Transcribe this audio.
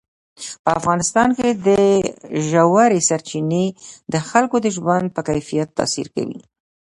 په افغانستان کې ژورې سرچینې د خلکو د ژوند په کیفیت تاثیر کوي.